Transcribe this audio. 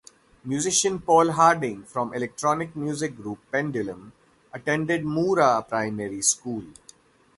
Musician Paul Harding from electronic music group Pendulum attended Moora Primary School.